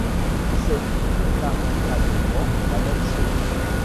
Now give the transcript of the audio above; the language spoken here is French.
C'est fondamentalement la même chose.